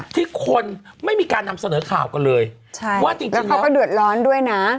ที่คนไม่มีการนำเสนอข่าวกันเลยแล้วก็เดือดร้อนด้วยนะ